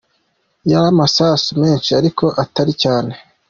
Yari amasasu menshi ariko atari cyane.